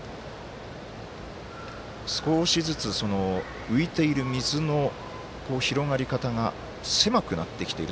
少しずつ浮いている水の広がり方が狭くなってきている。